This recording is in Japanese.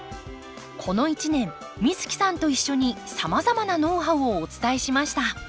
この一年美月さんと一緒にさまざまなノウハウをお伝えしました。